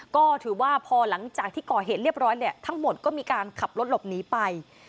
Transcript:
ก็ถือว่าพอหลังจากที่ก่อเหตุเรียบร้อยเนี่ยทั้งหมดก็มีการขับรถหลบหนีไป